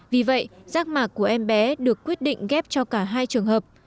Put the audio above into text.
vì vậy rác mạc của em bé được quyết định ghép cho cả hai trường hợp